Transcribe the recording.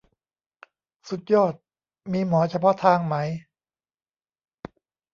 สุดยอด มีหมอเฉพาะทางไหม ?